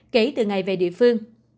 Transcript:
kể từ ngày về địa phương